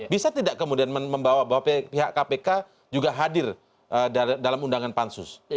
bisa tidak kemudian membawa pihak kpk juga hadir dalam penyelidikan